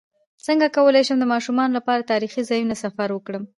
څنګه کولی شم د ماشومانو لپاره د تاریخي ځایونو سفر وکړم